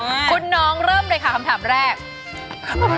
แล้วคุณพูดกับอันนี้ก็ไม่รู้นะแล้วคุณพูดกับอันนี้ก็ไม่รู้นะ